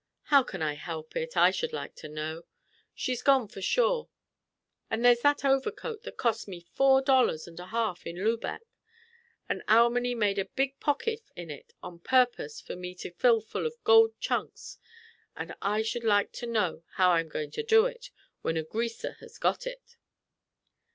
"How can I help it, I should like to know? She's gone sure, and there's that overcoat, that cost me four dollars and a half in Lubec; and Alminy made a big pocket in it on purpose for me to fill full of gold chunks; and I should like to know how I am going to do it, when a Greaser has got it."